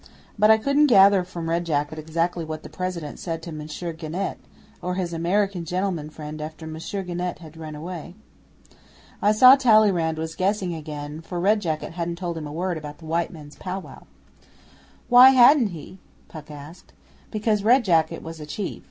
"But I couldn't gather from Red Jacket exactly what the President said to Monsieur Genet, or to his American gentlemen after Monsieur Genet had ridden away." 'I saw Talleyrand was guessing again, for Red Jacket hadn't told him a word about the white men's pow wow.' 'Why hadn't he?' Puck asked. 'Because Red Jacket was a chief.